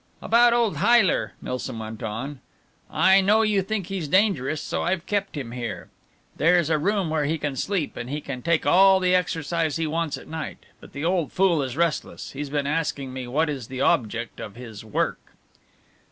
"About old Heyler," Milsom went on, "I know you think he's dangerous, so I've kept him here. There's a room where he can sleep, and he can take all the exercise he wants at night. But the old fool is restless he's been asking me what is the object of his work."